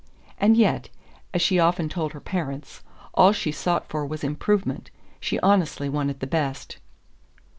And yet, as she had often told her parents, all she sought for was improvement: she honestly wanted the best.